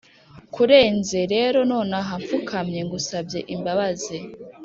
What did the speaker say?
kurenze rero nonaha mpfukamye ngusabye imbabazi